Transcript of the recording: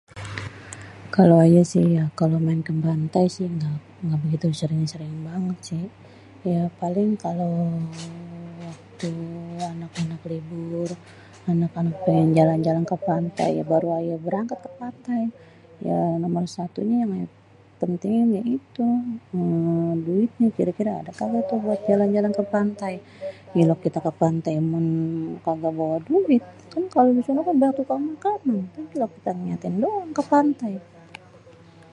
Kalo ayé sih ya kalo amen ke pantai sih ya ga begitu sering-sering banget sih. ya paling kalo waktu anak-anak libur, anak-anak pengen jalan-jalan ke pantai baru ayé berangkat ke pantai. Ya nomer satunya pentingin ya itu ya duitnyé kira-kira ada kaga buat jalan-jalan ke pantai elok kite ke pantai kaga bawa duit, kan kalo di sana kan banyak tukang makanan, elok kita ngeliatin doang ke pantai.